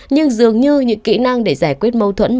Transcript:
nhưng dường như những kỹ năng để giải quyết mâu thuẫn